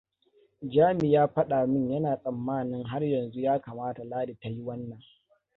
Jami ya fada min yana tsammanin har yanzu ya kamata Ladi ta yi wannan.